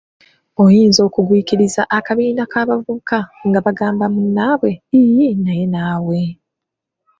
Oyinza okugwikiriza akabiina k'abavubuka nga bagamba munnnaabwe " Iiii naye naawe"